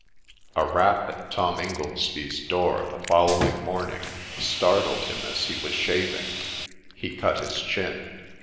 A rap at Tom Ingoldsby's door the following morning startled him as he was shaving ;— he cut his chin.